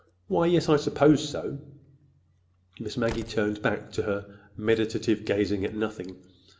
"Why, yes, I suppose so." Miss Maggie turned back to her meditative gazing at nothing.